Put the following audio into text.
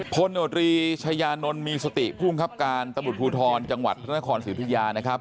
พลโนตรีชายานนท์มีสติภูมิครับการตำรวจภูทรจังหวัดพระนครสิทธิยานะครับ